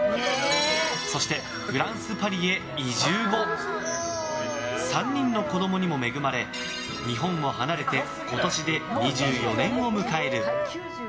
そして、フランス・パリへ移住後３人の子供にも恵まれ日本を離れて今年で２４年を迎える。